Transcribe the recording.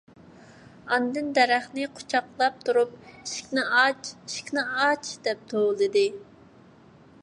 ئاندىن دەرەخنى قۇچاقلاپ تۇرۇپ: «ئىشىكنى ئاچ ! ئىشىكنى ئاچ !» دەپ توۋلىدى.